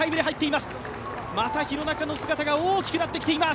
また廣中の姿が大きくなっています。